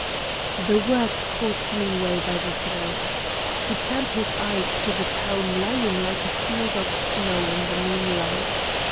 The words caught Hemingway by the throat. He turned his eyes to the town lying like a field of snow in the moonlight.